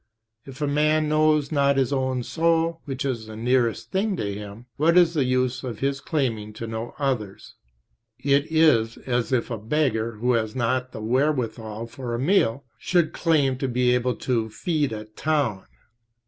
If a man knows not his own soul, which is the nearest thing to him, what is the use of his claiming to know others? It is as if a beggar who has not the wherewithal for a meal should claim to be able to, feed a town.